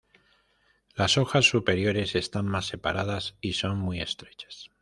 Las hojas superiores están más separadas y son muy estrechas.